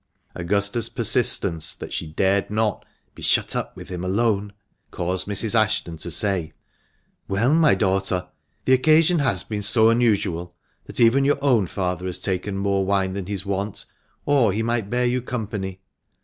Augusta's persistence that she dared not be "shut up with him alone," caused Mrs. Ashton to say — THE MANCHESTER MAN. 411 " Well, my daughter, the occasion has been so unusual that even your own father has taken more wine than his wont, or he might bear you company.